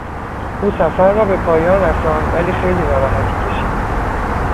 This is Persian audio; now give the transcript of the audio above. او سفر را به پایان رساند ولی خیلی ناراحتی کشید.